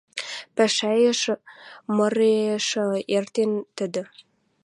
Пӓшӓэш, мыреш эртен тӹдӹ